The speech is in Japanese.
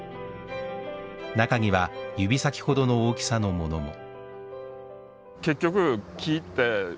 中には指先ほどの大きさのものも。